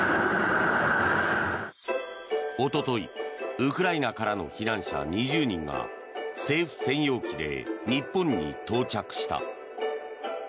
一昨日、ウクライナからの避難者２０人が政府専用機で日本に到着した。